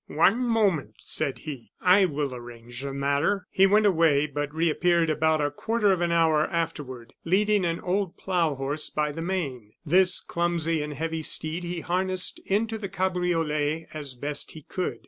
"One moment!" said he. "I will arrange the matter." He went away, but reappeared about a quarter of an hour afterward, leading an old plough horse by the mane. This clumsy and heavy steed he harnessed into the cabriolet as best he could.